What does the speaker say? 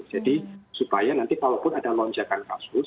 jadi supaya nanti kalaupun ada lorongan